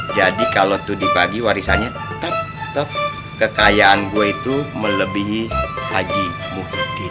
jadi kalau itu dibagi warisannya tetep tetep kekayaan gue itu melebihi haji muhyiddin